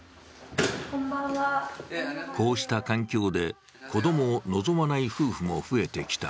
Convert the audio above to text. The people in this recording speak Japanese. こうした環境で子供を望まない夫婦も増えてきた。